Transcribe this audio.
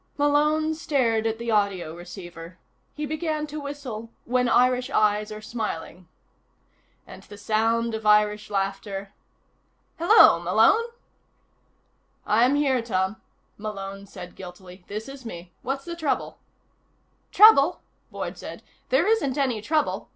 Malone stared at the audio receiver. He began to whistle When Irish Eyes Are Smiling. ... And the sound of Irish laughter.... "Hello? Malone?" "I'm here, Tom," Malone said guiltily. "This is me. What's the trouble?" "Trouble?" Boyd said. "There isn't any trouble.